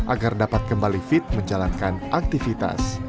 agar dapat kembali fit menjalankan aktivitas